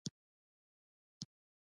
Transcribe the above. نه پوهیږم چې زما زړه ته یې څه وویل؟